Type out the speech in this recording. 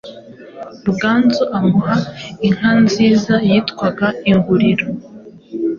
Ruganzu amuha inka nziza yitwaga "Inguriro"